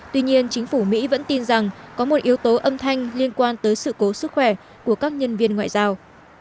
tuy nhiên chính phủ mỹ vẫn tin rằng có một yếu tố âm thanh liên quan tới sự cố sức khỏe của các nhân viên ngoại giao